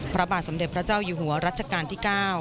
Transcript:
พระบาทสมเด็จพระเจ้าอยู่หัวรัชกาลที่๙